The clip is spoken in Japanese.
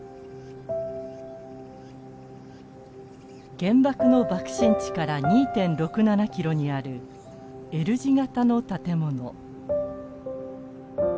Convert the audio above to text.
原爆の爆心地から２．６７ｋｍにあるＬ字型の建物。